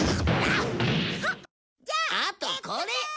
あとこれ